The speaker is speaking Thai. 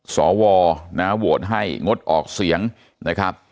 สวนะโหวตให้งดออกเสียงนะครับ